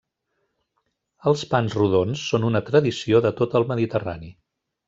Els pans rodons són una tradició de tot el Mediterrani.